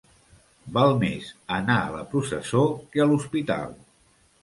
Val més anar a la processó que a l'hospital.